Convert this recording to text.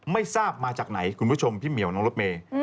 ไม่ทราบมาจากไหนคุณผู้ชมพี่เหมียวน้องรถเมย์